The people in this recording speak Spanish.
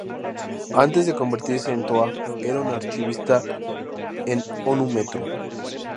Antes de convertirse en Toa era un archivista en Onu-Metru.